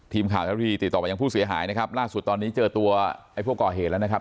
ทีมข่าวทะทีติดต่อไปยังผู้เสียหายนะครับล่าสุดตอนนี้เจอตัวไอ้ผู้ก่อเหตุแล้วนะครับ